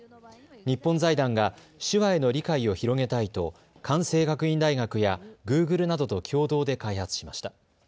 日本財団が手話への理解を広げたいと関西学院大学やグーグルなどと共同で開発しました。